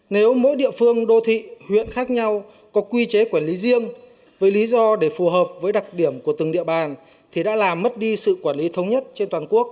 nếu mỗi địa phương đô thị huyện khác nhau có quy chế quản lý riêng với lý do để phù hợp với đặc điểm của từng địa bàn thì đã làm mất đi sự quản lý thống nhất trên toàn quốc